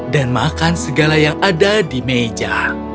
dan makan segala yang ada di meja